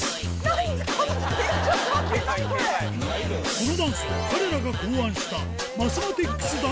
このダンスは彼らが考案した